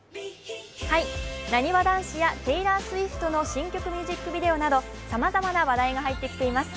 なにわ男子やテイラー・スウィフトの新曲ミュージックビデオなどさまざまな話題が入ってきています。